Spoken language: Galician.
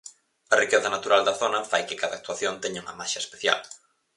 A riqueza natural da zona fai que cada actuación teña unha maxia especial.